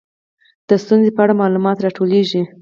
د ستونزې په اړه معلومات راټولیږي.